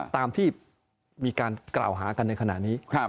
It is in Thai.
ตามที่มีการกล่าวหากันในขณะนี้